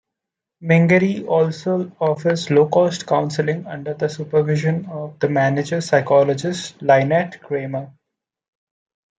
Mingary also offers low-cost counselling under the supervision of the manager psychologist, Lynette Kramer.